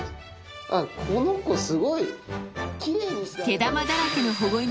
あっこの子すごい！